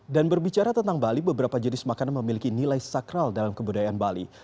dan berbicara tentang bali beberapa jenis makanan memiliki nilai sakral dalam kebudayaan bali